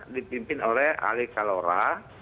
dipimpin oleh alikalora